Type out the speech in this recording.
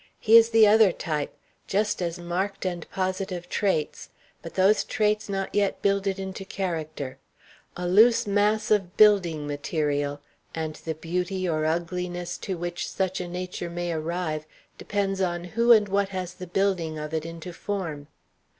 He is the other type; just as marked and positive traits, but those traits not yet builded into character: a loose mass of building material, and the beauty or ugliness to which such a nature may arrive depends on who and what has the building of it into form.